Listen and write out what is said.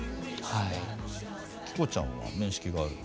はい。